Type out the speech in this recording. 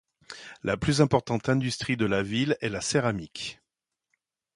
La plus importante industrie de la ville est la céramique.